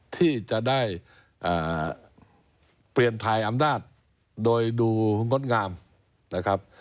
ที่จะได้เปลี่ยนทายอำนาจโดยดูงดงามนะครับ